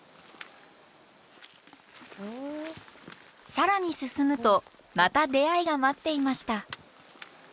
更に進むとまた出会いが待っていました。